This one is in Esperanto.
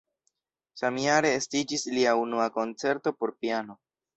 Samjare estiĝis lia unua koncerto por piano.